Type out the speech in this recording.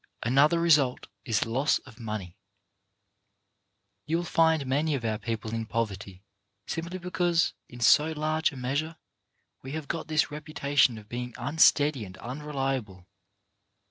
Another result is loss of money. You will find many of our people in poverty simply because, in so large a measure, we have got this reputation of being unsteady and unreliable.